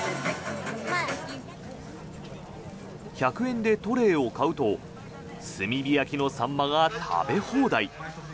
１００円でトレーを買うと炭火焼きのサンマが食べ放題。